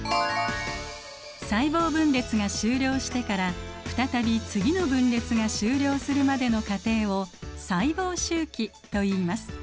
細胞分裂が終了してから再び次の分裂が終了するまでの過程を細胞周期といいます。